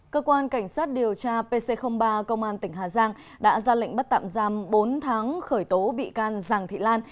cơ quan cảnh sát điều tra pc ba công an tỉnh hà giang đã ra lệnh bắt tạm giam bốn tháng khởi tố bị can giàng thị lan